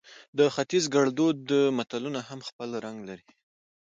د ختیز ګړدود متلونه هم خپل رنګ لري